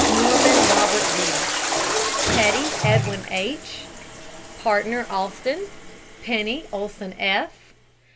NORMAN, ROBERT D. PETTY, EDWIN H. PARTNER, AUSTIN. PENNY, OLSEN F.